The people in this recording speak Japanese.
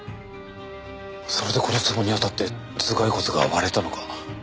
それでこの壺に当たって頭蓋骨が割れたのか？